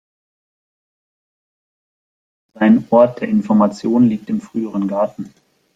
Sein "Ort der Information" liegt im früheren Garten.